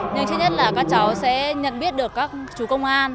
nhưng thứ nhất là các cháu sẽ nhận biết được các chú công an